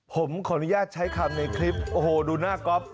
ผมขออนุญาตใช้คำในคลิปโอ้โหดูหน้าก๊อฟ